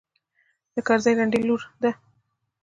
د کرزي رنډۍ لور ده.